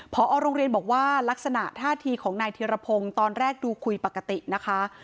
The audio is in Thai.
พอโรงเรียนบอกว่าลักษณะท่าทีของนายธิรพงศ์ตอนแรกดูคุยปกตินะคะ